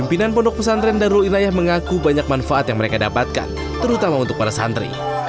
pimpinan pondok pesantren darul inayah mengaku banyak manfaat yang mereka dapatkan terutama untuk para santri